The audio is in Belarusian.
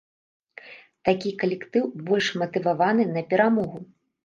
Такі калектыў больш матываваны на перамогу.